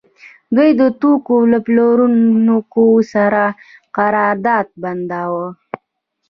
دوی د توکو له پلورونکو سره قرارداد بنداوه